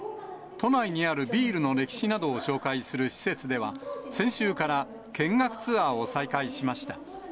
都内にあるビールの歴史などを紹介する施設では、先週から見学ツアーを再開しました。